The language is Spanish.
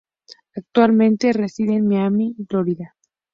Actualmente reside en Miami, Florida